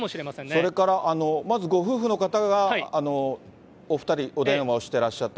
それからまずご夫婦の方がお２人、お電話をしてらっしゃった。